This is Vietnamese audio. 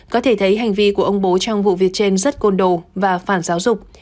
có thể thấy hành vi của ông bố trong vụ việc trên rất côn đồ và phản giáo dục